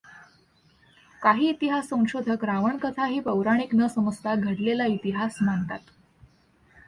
काहीं इतिहास संशोधक रावणकथा ही पौराणिक न समजता घडलेला इतिहास मानतात.